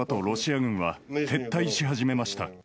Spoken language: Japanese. ロシア軍は撤退し始めました。